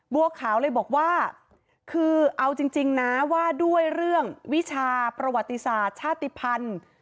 บัวขาวเลยบอกว่าคือเอาจริงนะว่าด้วยเรื่องวิชาประวัติศาสตร์ชาติภัณฑ์